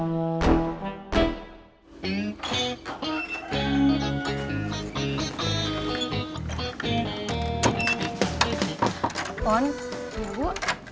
makasih ya bu